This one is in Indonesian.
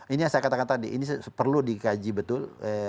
ini yang saya katakan tadi ini perlu dikaji betul